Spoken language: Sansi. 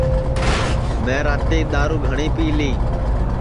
میں راتی دؔارُو گھٹؔی پی لی